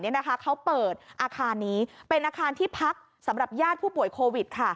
เขาเปิดอาคารนี้เป็นอาคารที่พักสำหรับญาติผู้ป่วยโควิดค่ะ